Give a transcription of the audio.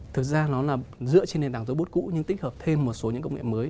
thực ra nó là dựa trên nền tảng robot cũ nhưng tích hợp thêm một số những công nghệ mới